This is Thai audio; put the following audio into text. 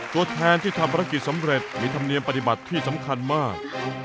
ตัวแทนที่ทำภารกิจสำเร็จมีธรรมเนียมปฏิบัติที่สำคัญมาก